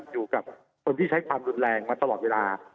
อยู่กับคนที่ใช้ความรุนแรงมาตลอดเวลา